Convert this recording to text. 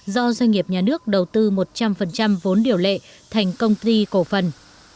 do doanh nghiệp nhà nước đầu tư một trăm linh vốn điều lệ thành công ty cổ phần